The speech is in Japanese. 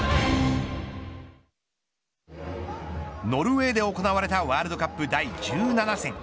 ノルウェーで行われたワールドカップ第１７戦。